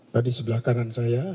tadi sebelah kanan saya